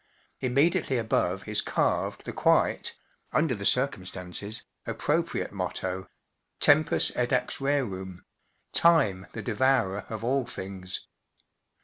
Imme¬ diately above is carved the quite (under the circumstances) appropriate motto, “Tempus edax rerum ” ( Time the devour?? of all things).